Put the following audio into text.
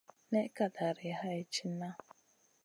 Ney ka dari hay tìhna.